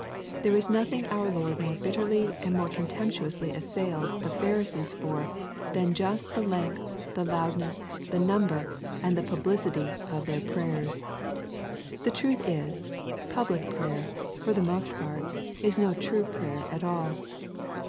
There is nothing our Lord more bitterly and more contemptuously assails the Pharisees for than just the length, the loudness, the number, and the publicity of their prayers. The truth is, public prayer, for the most part, is no true prayer at all.